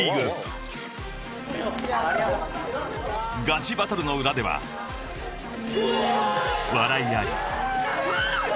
［ガチバトルの裏では笑いあり］